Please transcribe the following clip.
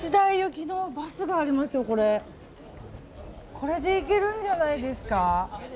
これで行けるんじゃないですか。